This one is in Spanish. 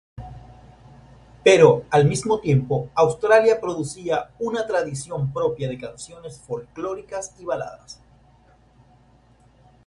Pero, al mismo tiempo, Australia producía una tradición propia de canciones folclóricas y baladas.